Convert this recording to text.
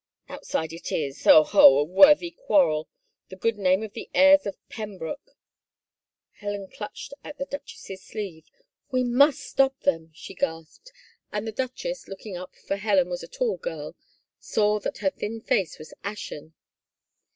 " Outside it is — ho, ho, a worthy quarrel — the goodr name of the heirs of Pembroke !" Helen clutched at the duchess's sleeve. " We must stop them," she gasped and the duchess, looking up, for Helen was a tall girl, saw that her thin face was ashen.